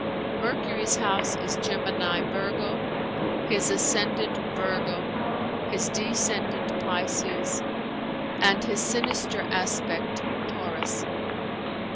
Mercury's house is Gemini Virgo, his ascendant Virgo, his descendant Pisces, and his sinister aspect Taurus.